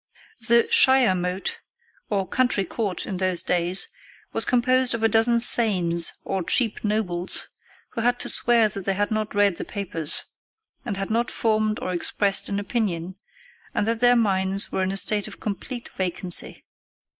The Shire Mote, or county court of those days, was composed of a dozen thanes, or cheap nobles, who had to swear that they had not read the papers, and had not formed or expressed an opinion, and that their minds were in a state of complete vacancy.